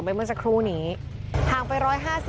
พวกมันต้องกินกันพี่